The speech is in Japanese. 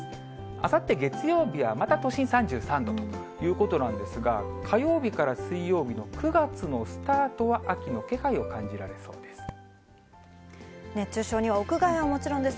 あさって月曜日は、また都心３３度ということなんですが、火曜日から水曜日の９月のスタートは、秋の気配を感じられそうです。